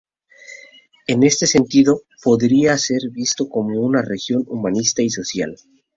En este sentido, podría ser visto como una religión humanista y social.